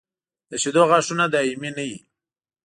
د شېدو غاښونه دایمي نه وي.